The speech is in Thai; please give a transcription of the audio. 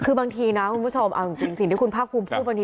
คือบางทีนะคุณผู้ชมเอาจริงจริงสิ่งที่คุณพระคุณพูดบางที